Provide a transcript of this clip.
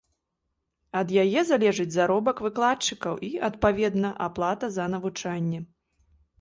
Ад яе залежыць заробак выкладчыкаў і, адпаведна, аплата за навучанне.